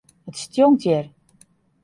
It stjonkt hjir.